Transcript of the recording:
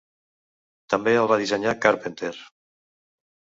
També el va dissenyar Carpenter.